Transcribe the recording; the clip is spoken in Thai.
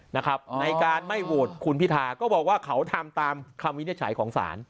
ในการไม่โหวตคุณพิธาก็บอกว่าเขาทำตามคำวินิจฉัยของศาล